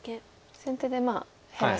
先手で減らす。